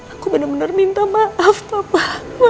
aku bener bener minta maaf papa